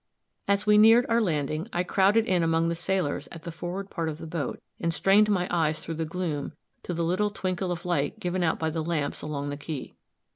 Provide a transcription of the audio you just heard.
As we neared our landing, I crowded in among the sailors at the forward part of the boat, and strained my eyes through the gloom to the little twinkle of light given out by the lamps along the quay.